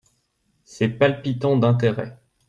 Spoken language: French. C'est palpitant d'intérêt.